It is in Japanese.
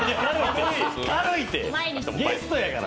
軽いって、ゲストやから。